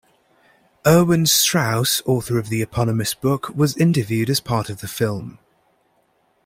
Erwin Strauss, author of the eponymous book, was interviewed as part of the film.